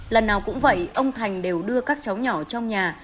lần nào cũng vậy ông thành đều đưa các cháu nhỏ trong nhà